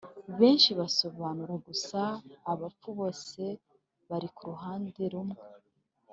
benshi basobanura gusa abapfu bose bari kuruhande rumwe